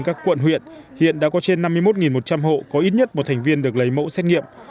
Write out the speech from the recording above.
các quận huyện hiện đã có trên năm mươi một một trăm linh hộ có ít nhất một thành viên được lấy mẫu xét nghiệm